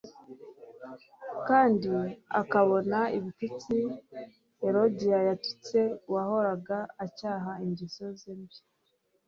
kandi akabona ibitutsi Herodiya yatutse uwahoraga acyaha ingeso ze mbi.